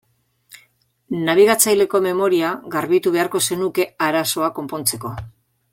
Nabigatzaileko memoria garbitu beharko zenuke arazoa konpontzeko.